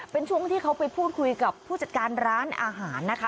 เป็นช่วงที่เขาไปพูดคุยกับผู้จัดการร้านอาหารนะคะ